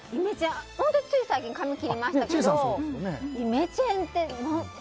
本当つい最近髪切りましたけどイメチェンって。